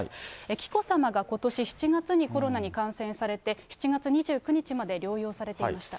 紀子さまがことし７月にコロナに感染されて、７月２９日まで療養されていました。